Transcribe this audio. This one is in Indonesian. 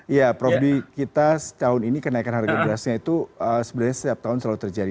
iya prof di kita tahun ini kenaikan harga berasnya itu sebenarnya setiap tahun selalu terjadi